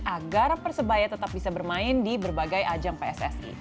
agar persebaya tetap bisa bermain di berbagai ajang pssi